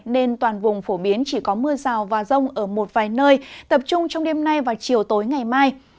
nên toàn vùng phổ biến chỉ có mưa rào và rông ở một vài nơi tập trung trong đêm nay và chiều tối ngày mai